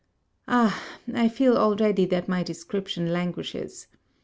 Ah, I feel already that my description languishes.